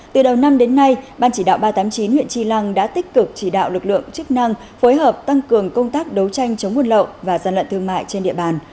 từ đầu năm đến nay ban chỉ đạo ba trăm tám mươi chín huyện tri lăng đã tích cực chỉ đạo lực lượng chức năng phối hợp tăng cường công tác đấu tranh chống nguồn lậu và gian lận thương mại trên địa bàn